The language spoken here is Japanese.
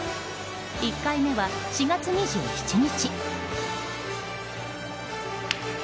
１回目は、４月２７日。